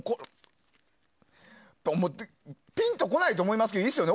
ピンとこないと思いますけどいいですよね。